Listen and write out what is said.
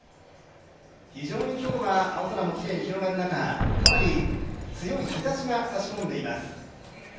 非常に今日は青空もきれいに広がる中かなり強い日ざしが差し込んでいます。